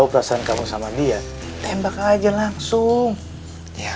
masa gue harus bertolong sama dia